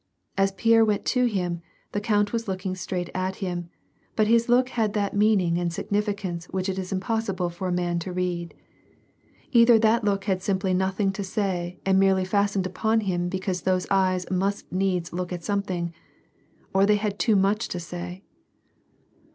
As Pierre went to him, the count was looking straight at him, but his look had that meaning and significance which it is impossible for a man to read. Either that look had simply nothing to say and merely fastened upon him because those eyes must needs look at something, or they had too much to say.